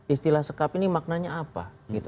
istilah sekap ini maknanya apa